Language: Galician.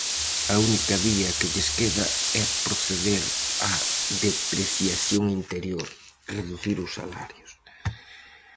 A única vía que lles queda é proceder á depreciación interior: reducir os salarios.